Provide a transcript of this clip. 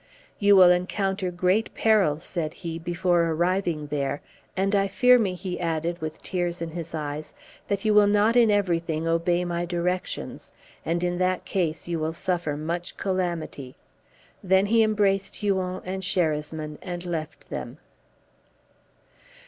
"You will encounter great perils," said he, "before arriving there, and I fear me," he added, with tears in his eyes, "that you will not in everything obey my directions, and in that case you will suffer much calamity." Then he embraced Huon and Sherasmin, and left them.